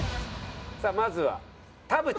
さあまずは田渕。